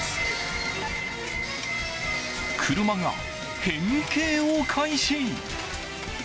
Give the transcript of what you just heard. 車が変形を開始。